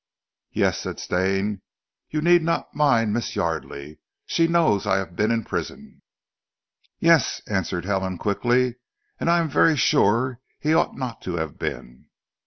"Yes?" said Stane, "you need not mind Miss Yardely. She knows I have been in prison." "Yes!" answered Helen quickly, "and I am very sure he ought not to have been."